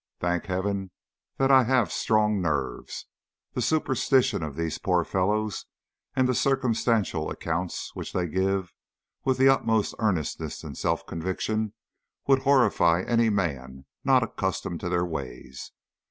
Thank Heaven that I have strong nerves! The superstition of these poor fellows, and the circumstantial accounts which they give, with the utmost earnestness and self conviction, would horrify any man not accustomed to their ways.